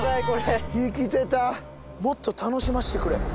これ生きてた「もっと楽しませてくれ」